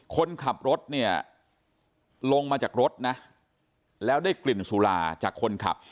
คนขับรถเนี่ยลงมาจากรถนะแล้วได้กลิ่นสุราจากคนขับ